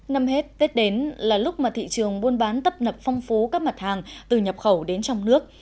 năm hết tết đến là lúc mà thị trường buôn bán tấp nập phong phú các mặt hàng từ nhập khẩu đến trong nước